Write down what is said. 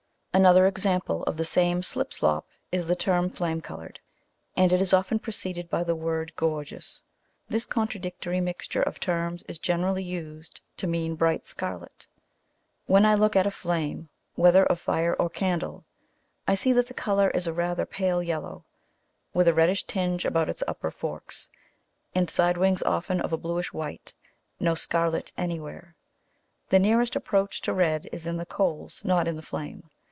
Another example of the same slip slop is the term flame coloured, and it is often preceded by the word "gorgeous." This contradictory mixture of terms is generally used to mean bright scarlet. When I look at a flame, whether of fire or candle, I see that the colour is a rather pale yellow, with a reddish tinge about its upper forks, and side wings often of a bluish white no scarlet anywhere. The nearest approach to red is in the coals, not in the flame.